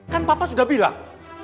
kan papa sudah bilang